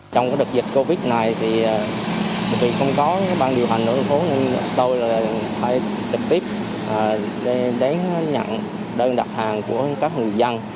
trong đợt dịch covid một mươi chín này tùy không có bang điều hành tổ dân phố tôi phải trực tiếp đến nhận đơn đặt hàng của các người dân